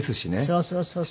そうそうそうそう。